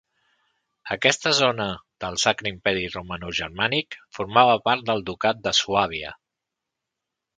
Aquesta zona del Sacre Imperi Romanogermànic, formava part del Ducat de Suàbia.